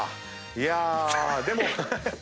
いやでも。